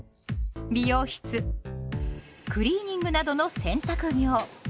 美容室クリーニングなどの洗濯業。